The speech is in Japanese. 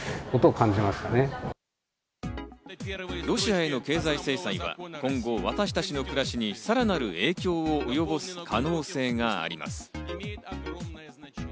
ロシアへの経済制裁は今後、私たちの暮らしにさらなる影響を及ぼす可能性があります。